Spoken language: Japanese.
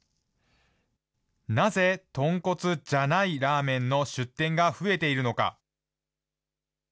なぜ豚骨じゃないラーメンの出店が増えているのか。